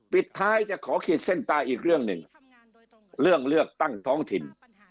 ปิดท้ายจะขอขีดเส้นใต้อีกเรื่องหนึ่งเรื่องเลือกตั้งท้องถิ่น